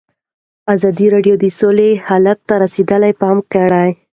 ازادي راډیو د سوله حالت ته رسېدلي پام کړی.